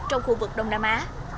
trong khu vực đông nam á